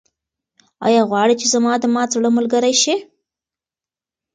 ایا غواړې چې زما د مات زړه ملګرې شې؟